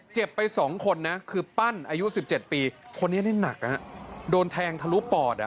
เจ็บไปสองคนน่ะคือปั้นอายุสิบเจ็ดปีคนนี้นี่หนักน่ะโดนแทงทะลุปอดอ่ะ